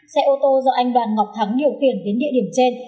xe ô tô do anh đoàn ngọc thắng điều khiển đến địa điểm trên